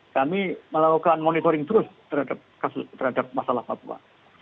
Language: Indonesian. kami melakukan monitoring terus terhadap masalah papua